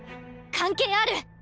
関係ある！